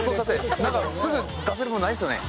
すぐ出せるもんないですよね？